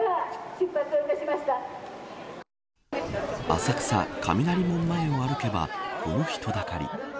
浅草、雷門前を歩けばこの人だかり。